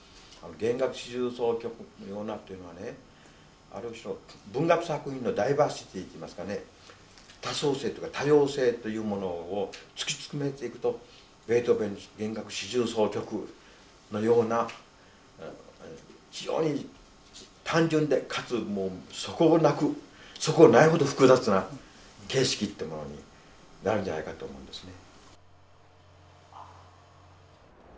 弦楽四重奏曲のようなというのはねある種の文学作品のダイバーシティーといいますかね多層性というか多様性というものを突き詰めていくとベートーベンの弦楽四重奏曲のような非常に単純でかつ底なく底ないほど複雑な形式ってものになるんじゃないかと思うんですね。